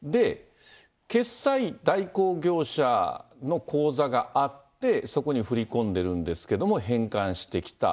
決済代行業者の口座があって、そこに振り込んでるんですけれども、返還してきた。